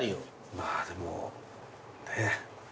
まあでもね。